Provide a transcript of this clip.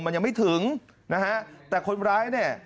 มันยังไม่ถึงนะฮะแต่คนร้ายเนี่ย